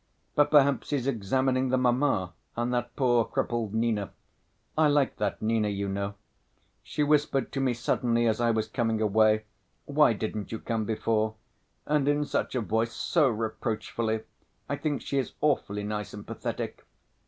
But perhaps he's examining the mamma and that poor crippled Nina. I liked that Nina, you know. She whispered to me suddenly as I was coming away, 'Why didn't you come before?' And in such a voice, so reproachfully! I think she is awfully nice and pathetic."